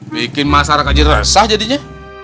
bikin masyarakat jadi resah jadinya